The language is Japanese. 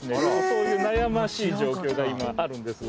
そういう悩ましい状況が今あるんです